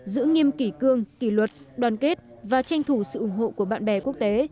giữ nghiêm kỷ cương kỷ luật đoàn kết và tranh thủ sự ủng hộ của bạn bè quốc tế